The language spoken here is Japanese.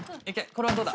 これはどうだ！